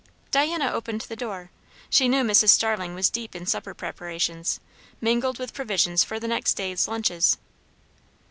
Diana opened the door. She knew Mrs. Starling was deep in supper preparations, mingled with provisions for the next day's lunches.